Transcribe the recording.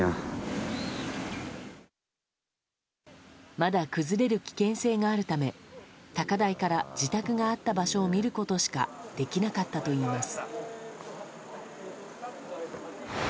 まだ崩れる危険性があるため高台から自宅があった場所を見ることしかできなかったといいます。